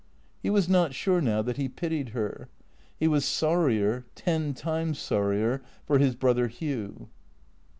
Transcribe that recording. He was not sure now that he pitied her. He was sorrier, ten times sorrier, for his brother Hugh.